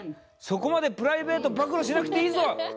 そこまでプライベート暴露しなくていいぞ！